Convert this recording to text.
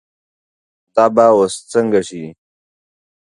دا به اوس څنګه شي.